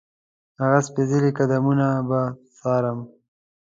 هغه سپېڅلي قدمونه به څارم.